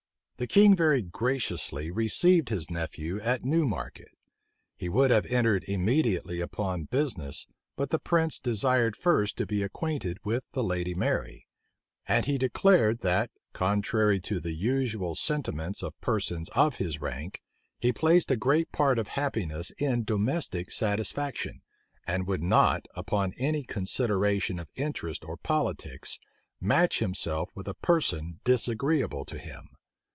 The king very graciously received his nephew at Newmarket. He would have entered immediately upon business but the prince desired first to be acquainted with the lady Mary; and he declared, that, contrary to the usual sentiments of persons of his rank, he placed a great part of happiness in domestic satisfaction, and would not, upon any consideration of interest or politics, match himself with a person disagreeable to him.